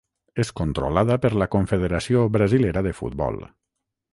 És controlada per la Confederació Brasilera de Futbol.